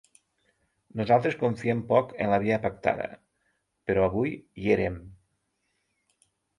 Nosaltres confiem poc en la via pactada, però avui hi érem.